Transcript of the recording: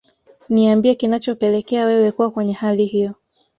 niambie kinachopelekea wewe kuwa kwenye hali hiyo